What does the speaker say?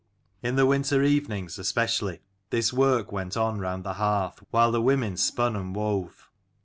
In the winter evenings especially this work went on round the hearth, while the women spun and wove.